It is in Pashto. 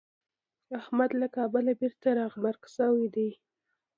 احمد له کابله بېرته راغبرګ شوی دی.